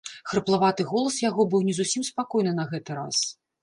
Хрыплаваты голас яго быў не зусім спакойны на гэты раз.